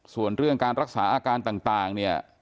ส่วนเรื่องการรักษาอาการต่างเนี่ย